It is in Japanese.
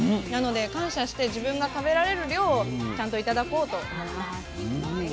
なので感謝して自分が食べられる量をちゃんと頂こうと思います。